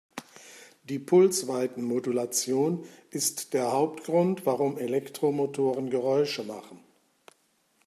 Die Pulsweitenmodulation ist der Hauptgrund, warum Elektromotoren Geräusche machen.